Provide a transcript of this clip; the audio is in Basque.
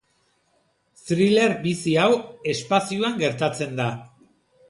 Thriller bizi hau espazioan gertatzen da.